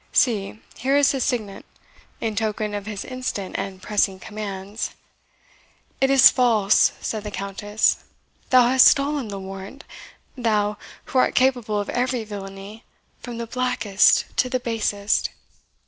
See, here is his signet, in token of his instant and pressing commands." "It is false!" said the Countess; "thou hast stolen the warrant thou, who art capable of every villainy, from the blackest to the basest!"